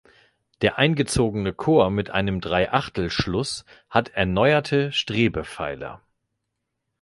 Der eingezogene Chor mit einem Dreiachtelschluss hat erneuerte Strebepfeiler.